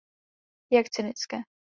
Jak cynické.